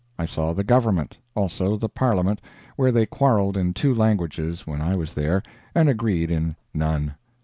I saw the Government, also the Parliament, where they quarreled in two languages when I was there, and agreed in none.